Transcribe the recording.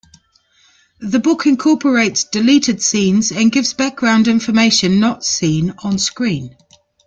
The book incorporates deleted scenes and gives background information not seen on screen.